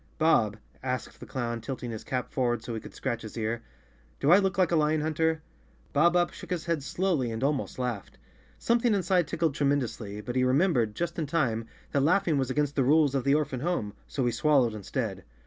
"Bob," asked the clown, tilting his cap forward so he could scratch his ear, "do I look like a lion hunter?" Bob Up shook his head slowly and almost laughed. Something inside tickled tremendously, but he remem¬ bered, just in time, that laughing was against the rules of the orphan home, so he swallowed instead.